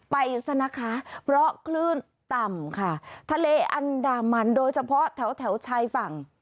ไปซะนะคะเพราะคลื่นต่ำค่ะทะเลอันดามันโดยเฉพาะแถวแถวชายฝั่ง